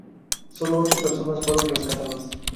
Solo ocho personas fueron rescatadas.